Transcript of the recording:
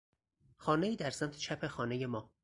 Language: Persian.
خانهای در سمت چپ خانهی ما